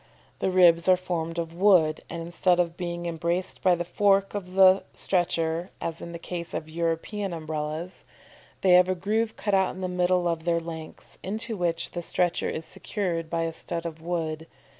The ribs are formed of wood; and instead of being embraced by the fork of the stretcher, as in the case of European Umbrellas, they have a groove cut out in the middle of their lengths, into which the stretcher is secured by a stud of wood.